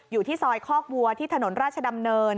อยู่ที่ซอยคอกวัวที่ถนนราชดำเนิน